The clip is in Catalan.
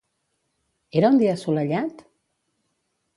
Era un dia assolellat?